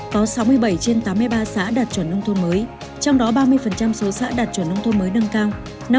có sáu mươi bảy trên tám mươi ba xã đạt chuẩn nông thôn mới trong đó ba mươi số xã đạt chuẩn nông thôn mới nâng cao